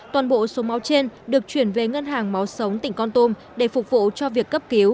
toàn bộ số máu trên được chuyển về ngân hàng máu sống tỉnh con tum để phục vụ cho việc cấp cứu